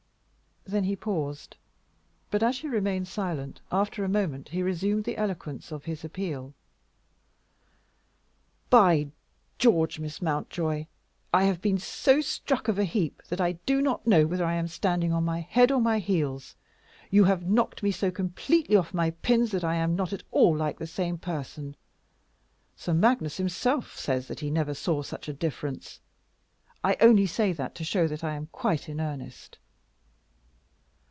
Then he paused; but, as she remained silent, after a moment he resumed the eloquence of his appeal. "By George! Miss Mountjoy, I have been so struck of a heap that I do not know whether I am standing on my head or my heels. You have knocked me so completely off my pins that I am not at all like the same person. Sir Magnus himself says that he never saw such a difference. I only say that to show that I am quite in earnest.